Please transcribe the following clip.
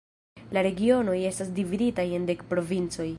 La Regionoj estas dividitaj en dek provincoj.